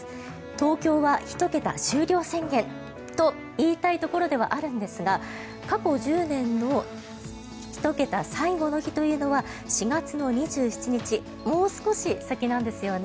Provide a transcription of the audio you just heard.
東京は１桁終了宣言と言いたいところではあるんですが過去１０年の１桁最後の日というのは４月の２７日もう少し先なんですよね。